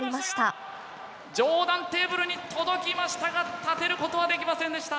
上段テーブルに届きましたが立てることはできませんでした。